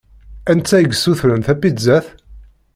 Anta i yessutren tapizzat?